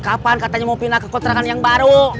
kapan katanya mau pindah ke kontrakan yang baru